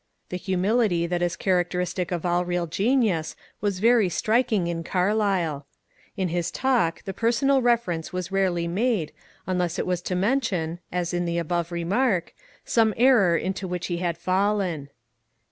The humility that is characteristic of all real genius was very striking in Carlyle. In his talk the per sonal reference was rarely made unless it was to mention, as in the above remark, some error into which he had fallen.